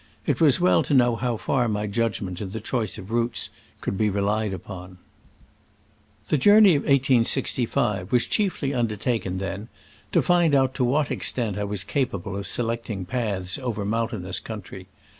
It was well to know how far my judgment in the choice of routes could be relied upon. The journey of 1865 was chiefly un dertaken, then, to find out to what ex tent I was capable of selecting paths over mountainous country.